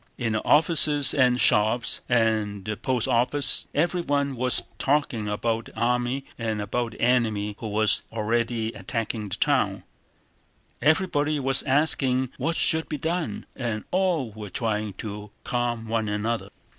In the offices and shops and at the post office everyone was talking about the army and about the enemy who was already attacking the town, everybody was asking what should be done, and all were trying to calm one another.